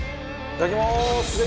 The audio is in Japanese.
いただきます。